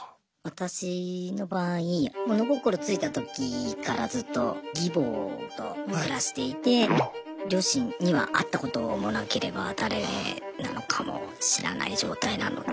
私の場合物心ついた時からずっと義母と暮らしていて両親には会ったこともなければ誰なのかも知らない状態なので。